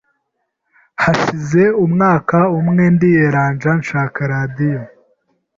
Hashize umwaka umwe, ndiyeranja nshaka radio